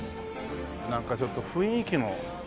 なんかちょっと雰囲気も。